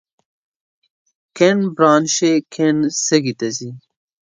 کیڼ برانش یې کیڼ سږي ته ځي.